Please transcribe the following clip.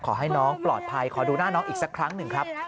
ขอให้น้องปลอดภัยขอดูหน้าน้องอีกสักครั้งหนึ่งครับ